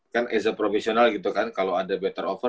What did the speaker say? kan as a professional gitu kan kalo ada better offer